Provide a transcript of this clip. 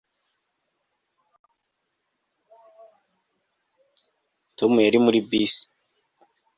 Tom yari muri bisi